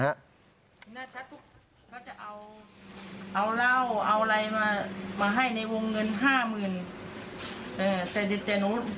เขาจะเอาเหล้าเอาอะไรมาให้ในวงเงินห้าหมื่น